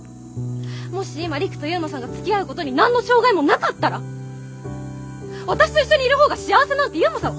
もし今陸と悠磨さんがつきあうことに何の障害もなかったら私と一緒にいる方が幸せなんて悠磨さん思いますかね？